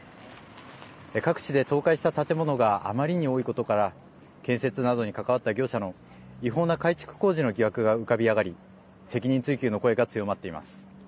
各地で倒壊した建物があまりに多いことから建設などに関わった業者の違法な改築工事の疑惑が浮かび上がり責任追及の声が強まっています。